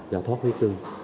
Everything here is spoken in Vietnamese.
do thuốc huyết tươi